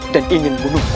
dan ingin membunuhku